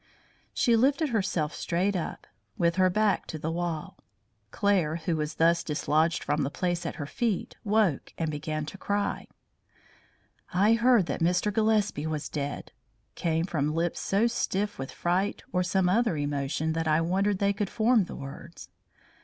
She lifted herself straight up, with her back to the wall. Claire, who was thus dislodged from the place at her feet woke, and began to cry. "I heard that Mr. Gillespie was dead," came from lips so stiff with fright or some other deep emotion that I wondered they could form the words.